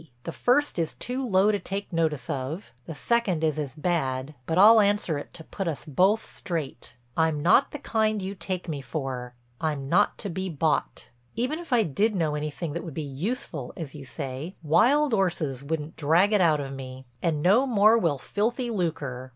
The first is too low to take notice of; the second is as bad, but I'll answer it to put us both straight. I'm not the kind you take me for; I'm not to be bought. Even if I did know anything that would be 'useful' as you say, wild 'orses wouldn't drag it out of me. And no more will filthy lucre.